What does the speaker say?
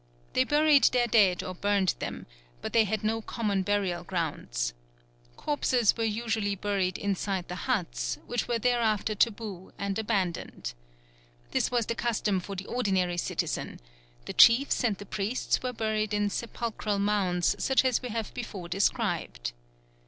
They buried their dead or burned them; but they had no common burial grounds. Corpses were usually buried inside the huts, which were thereafter taboo and abandoned. This was the custom for the ordinary citizen; the chiefs and the priests were buried in sepulchral mounds such as we have before described.